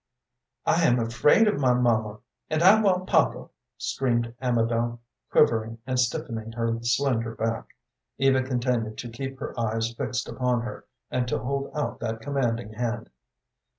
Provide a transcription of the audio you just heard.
"I am afraid of my mamma, and I want papa!" screamed Amabel, quivering, and stiffening her slender back. Eva continued to keep her eyes fixed upon her, and to hold out that commanding hand.